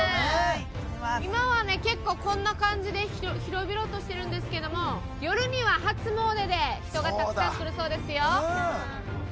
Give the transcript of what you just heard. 今は結構こんな感じで広々としていますが夜には初詣で人がたくさん来るそうですよ。